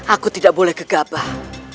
aku tidak boleh gegabah